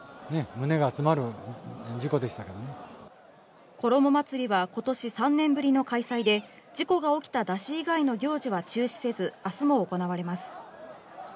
挙母祭りは今年３年ぶりの開催で、事故が起きた山車以外の行事は中止せず、明日も行われます。